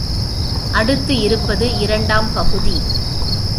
அடுத்து இருப்பது இரண்டாம் பகுதி.